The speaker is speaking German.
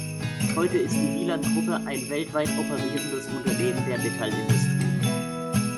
Heute ist die Wieland-Gruppe ein weltweit operierendes Unternehmen der Metallindustrie.